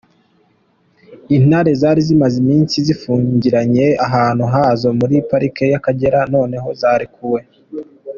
Intare zari zimaze iminsi zifungiranye ahantu hazo muri Parike y’Akagera noneho zarekuwe.